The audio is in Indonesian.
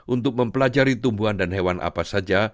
untuk mempelajari tumbuhan dan hewan apa saja